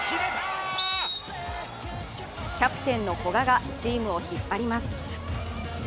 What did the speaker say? キャプテンの古賀がチームを引っ張ります。